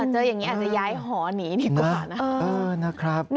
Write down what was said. เจออย่างนี้อาจจะย้ายหอหนีดีกว่านะครับ